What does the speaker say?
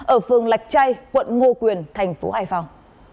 ở phường lạch chay quận ngô quyền tp hải phòng